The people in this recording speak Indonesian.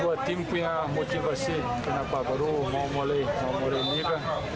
ini pasti dua tim punya motivasi kenapa baru mau mulai liga